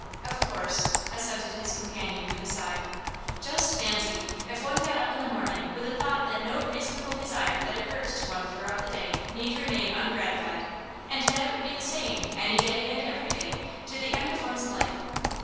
'Of course,' assented his companion with a sigh. 'Just fancy, if one got up in the morning with the thought that no reasonable desire that occurred to one throughout the day need remain ungratified! And that it would be the same, any day and every day, to the end of one's life!